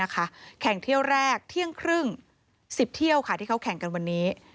แข่งเที่ยวแรกเที่ยงครึ่ง๑๐เที่ยวที่เขาแข่งกันวันนี้